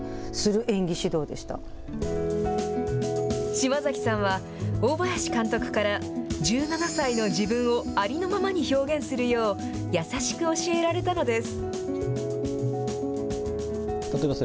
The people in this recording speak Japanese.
島崎さんは、大林監督から１７歳の自分をありのままに表現するよう、優しく教えられたのです。